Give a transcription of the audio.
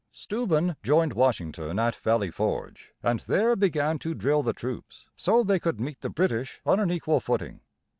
Steuben joined Washington at Valley Forge, and there began to drill the troops, so they could meet the British on an equal footing.